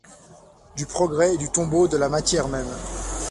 Du progrès, du tombeau, de la matière même